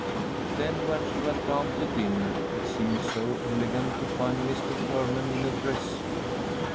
Then when she went down to dinner, it seemed so elegant to find Mr. Sherman in a dress suit.